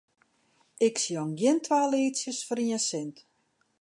Ik sjong gjin twa lietsjes foar ien sint.